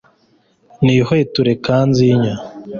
nihweture kanzinya